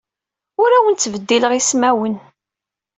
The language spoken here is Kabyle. Ur awent-ttbeddileɣ ismawen.